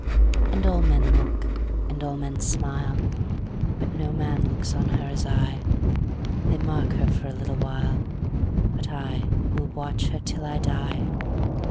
And all men look, and all men smile, But no man looks on her as I:They mark her for a little while, But I will watch her till I die.